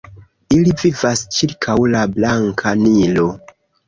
Ili vivas ĉirkaŭ la Blanka Nilo.